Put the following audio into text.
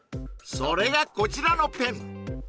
それがこちらのペン